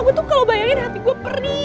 gue tuh kalo bayangin hati gue perih